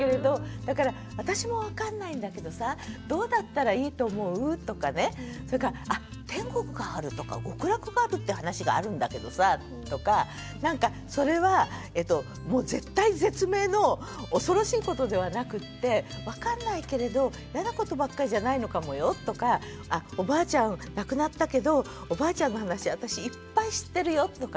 だから「私も分かんないんだけどさどうだったらいいと思う？」とかねそれから「天国があるとか極楽があるって話があるんだけどさ」とかなんかそれは絶体絶命の恐ろしいことではなくって「分かんないけれど嫌なことばっかりじゃないのかもよ」とか。「おばあちゃん亡くなったけどおばあちゃんの話私いっぱい知ってるよ」とかね。